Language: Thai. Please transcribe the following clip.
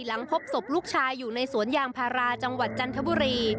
หลังพบศพลูกชายอยู่ในสวนยางพาราจังหวัดจันทบุรี